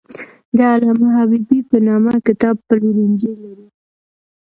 د علامه حبیبي په نامه کتاب پلورنځی لري.